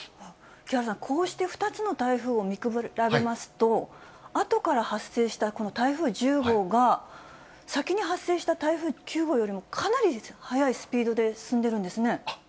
木原さん、こうして２つの台風を見比べますと、後から発生したこの台風１０号が、先に発生した台風９号よりもかなり速いスピードで進んでるんですあっ、